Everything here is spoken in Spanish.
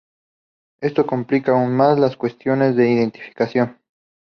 Esto complica aún más las cuestiones de identificación.